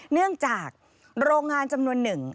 เนื่องจากโรงงานจำนวนหนึ่ง